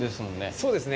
そうですね。